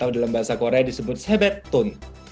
kalau dalam bahasa korea disebut sebetun